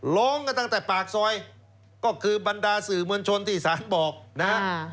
ร้องกันตั้งแต่ปากซอยก็คือบรรดาสื่อมวลชนที่ศาลบอกนะฮะ